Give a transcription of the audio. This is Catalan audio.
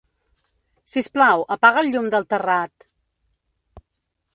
Sisplau, apaga el llum del terrat.